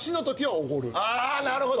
あぁなるほど。